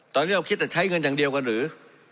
ตอนนี้เราคิดแต่ใช้เงินอย่างเดียวกันหรือ